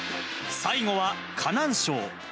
最後は河南省。